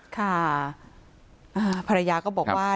ค่ะภรรยาก็บอกว่า